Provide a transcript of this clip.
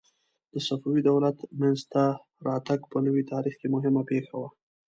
د صفوي دولت منځته راتګ په نوي تاریخ کې مهمه پېښه وه.